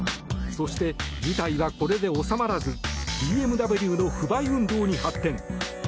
そして、事態はこれで収まらずＢＭＷの不買運動に発展。